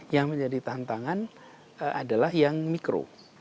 yang menjadi tantangan adalah yang mikro